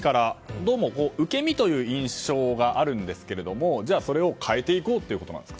どうも受け身という印象があるんですが変えていこうということですか？